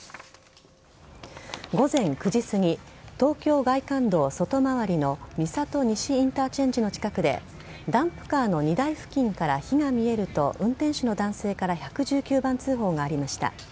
午前９時過ぎ、東京外環道外回りの三郷西インターチェンジの近くで、ダンプカーの荷台付近から火が見えると、運転手の男性から１１９番通報がありました。